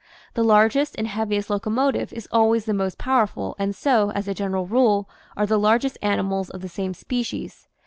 The largest and heaviest locomotive is always the most powerful and so, as a general rule, are the largest animals of the same species.